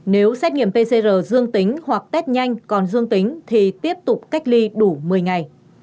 nếu xét nghiệm pcr dương tính hoặc test nhanh còn dương tính thì tiếp tục cách ly đủ một mươi ngày